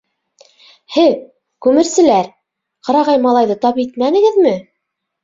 — Һеҙ, күмерселәр, ҡырағай малайҙы тап итмәнегеҙме?